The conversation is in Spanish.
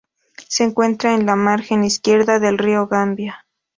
Se encuentra en la margen izquierda del río Gambia.